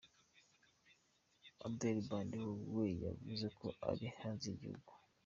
Abel Kandiho we yavuze ko ari “hanze y’igihugu”.